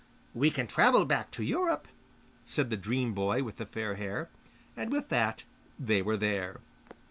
'We can travel back to Europe,' said the dream boy with the fair hair. And with that they were there.